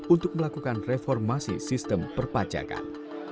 untuk melakukan reformasi sistem perpajakan